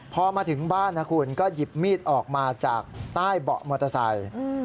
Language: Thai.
พอมาถึงบ้านนะคุณก็หยิบมีดออกมาจากใต้เบาะมอเตอร์ไซค์